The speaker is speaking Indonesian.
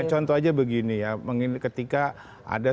ketika ada sebuah isu tentang pemanahan